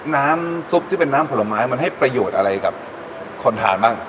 น้ำซุปที่เป็นน้ำผลไม้มันให้ประโยชน์อะไรกับคนทานบ้าง